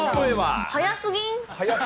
早すぎん？